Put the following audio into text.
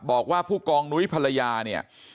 บอกว่าผู้กองนุ้ยภรรยาเนี่ย